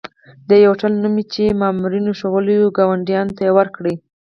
د یوه هوټل نوم مې چې مامورینو ښوولی وو، ګاډیوان ته ورکړ.